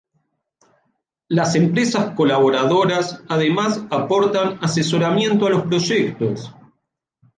Las empresas colaboradoras además aportan asesoramiento a los proyectos.